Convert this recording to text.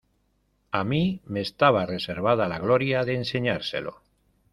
a mí me estaba reservada la gloria de enseñárselo.